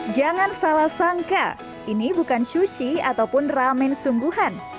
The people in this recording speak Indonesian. jangan salah sangka ini bukan sushi ataupun ramen sungguhan